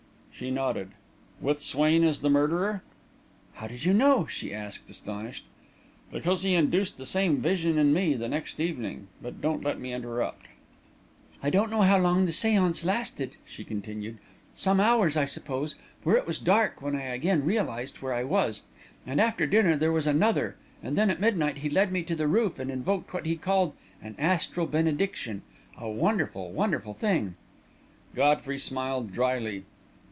She nodded. "With Swain as the murderer?" "How did you know?" she asked, astonished. "Because he induced the same vision in me the next evening. But don't let me interrupt." "I don't know how long the séance lasted," she continued; "some hours, I suppose, for it was dark when I again realised where I was. And after dinner, there was another; and then at midnight he led me to the roof and invoked what he called an astral benediction a wonderful, wonderful thing...." Godfrey smiled drily.